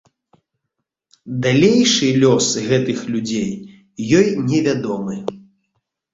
Далейшы лёс гэтых людзей ёй невядомы.